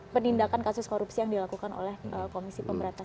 penindakan kasus korupsi yang dilakukan oleh komisi pemberantasan